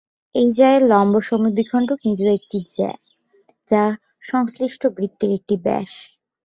এই জ্যা এর লম্ব-সমদ্বিখণ্ডক নিজেও একটি জ্যা, যা সংশ্লিষ্ট বৃত্তের একটি ব্যাস।